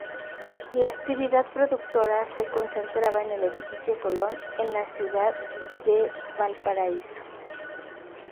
La actividad productora se concentraba en el edificio Colón, en la ciudad de Valparaíso.